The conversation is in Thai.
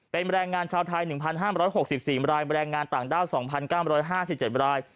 เป็นแรงงานชาวไทย๑๕๖๔รายแบรนด์งานต่างด้าว๒๙๕๗ราย